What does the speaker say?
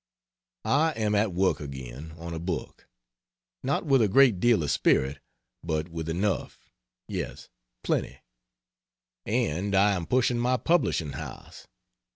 I am at work again on a book. Not with a great deal of spirit, but with enough yes, plenty. And I am pushing my publishing house.